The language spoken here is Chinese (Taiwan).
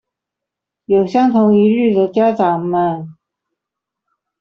有相同疑慮的家長們